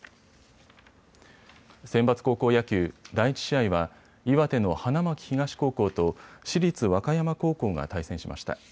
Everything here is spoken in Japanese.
センバツ高校野球、第１試合は岩手の花巻東高校と市立和歌山高校が対戦しました。